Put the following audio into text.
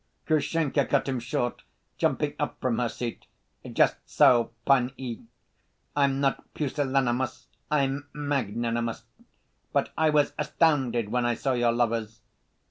Grushenka cut him short, jumping up from her seat. "Just so, pani, I'm not pusillanimous, I'm magnanimous. But I was astounded when I saw your lovers.